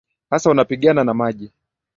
Sasa unapigana na maji